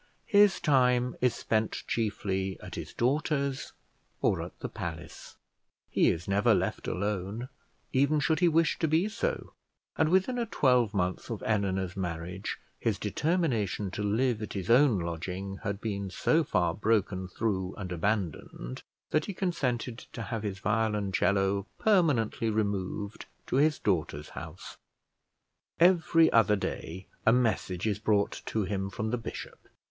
His time is spent chiefly at his daughter's or at the palace; he is never left alone, even should he wish to be so; and within a twelvemonth of Eleanor's marriage his determination to live at his own lodging had been so far broken through and abandoned, that he consented to have his violoncello permanently removed to his daughter's house. Every other day a message is brought to him from the bishop.